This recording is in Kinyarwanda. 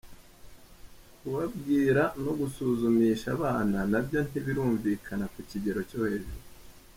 Kubabwira no gusuzumisha abana nabyo ntibirumvikana ku kigero cyo hejuru.